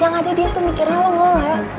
yang ada dia tuh mikirnya lo ngoles